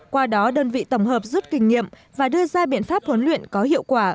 qua đó đơn vị tổng hợp rút kinh nghiệm và đưa ra biện pháp huấn luyện có hiệu quả